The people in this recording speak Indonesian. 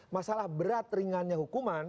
masalah berat ringannya hukuman